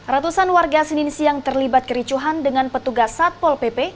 ratusan warga senin siang terlibat kericuhan dengan petugas satpol pp